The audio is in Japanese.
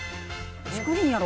竹林やろ？